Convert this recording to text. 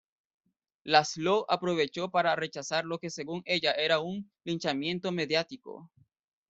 László aprovechó para rechazar lo que según ella era un "linchamiento mediático".